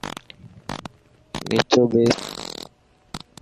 نيچو ٻيس.